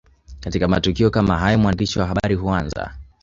Katika matukio kama hayo mwandishi wa habari huanza